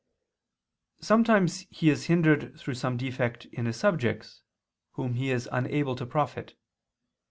Sometimes he is hindered through some defect in his subjects, whom he is unable to profit.